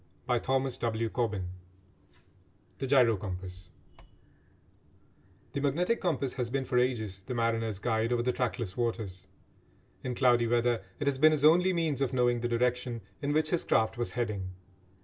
CHAPTER VII THE GYRO COMPASS The magnetic compass has been for ages the mariner's guide over the trackless waters. In cloudy weather it has been his only means of knowing the direction in which his craft was heading.